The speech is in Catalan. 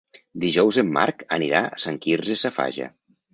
Dijous en Marc anirà a Sant Quirze Safaja.